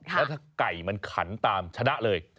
แล้วถ้าไก่มันขันตามชนะเลย